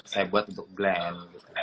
saya buat untuk glenn